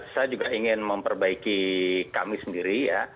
saya juga ingin memperbaiki kami sendiri ya